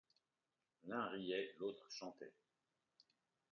L’un riait, l’autre chantait.